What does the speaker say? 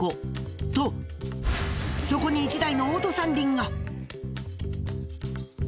とそこに１台のオート三輪が。